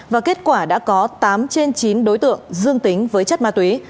và kết quả đã có tám trên chín đối tượng dương tính với chất ma túy